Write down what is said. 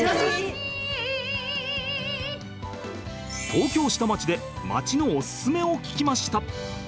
東京、下町で街のおすすめを聞きました。